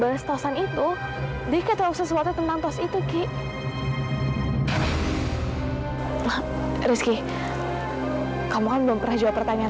bales bales tosan itu dekat atau sesuatu tentang tos itu ki rizky kamu kan belum pernah jawab pertanyaan